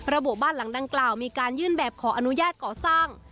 ระบุบ้านหลังดังกล่าวมีการยื่นแบบขออนุญาตก่อสร้าง